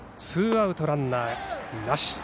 ツーアウトランナーなし。